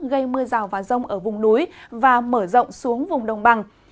gây mưa rào và rông ở vùng núi và mở rộng xuống vùng đồng bằng